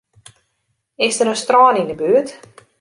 Is der in strân yn 'e buert?